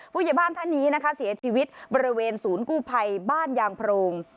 ผู้ใหญ่บ้านท่านนี้นะคะเสียชีวิตบริเวณศูนย์กู้ภัยบ้านยางโพรง